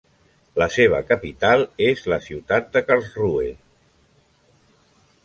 La seva capital és la ciutat de Karlsruhe.